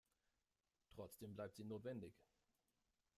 Trotzdem bleibt sie notwendig.